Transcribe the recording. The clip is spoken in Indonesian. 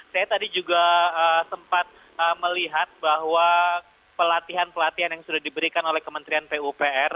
saya tadi juga sempat melihat bahwa pelatihan pelatihan yang sudah diberikan oleh kementerian pupr